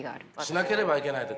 しなければいけない時ね。